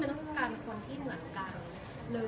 ไม่ต้องการเป็นคนที่เหมือนกันเลย